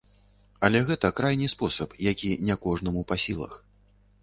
Але гэта крайні спосаб, які не кожнаму па сілах.